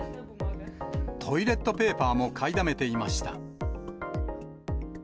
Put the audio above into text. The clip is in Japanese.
トイレットペーパーも買いだめていました。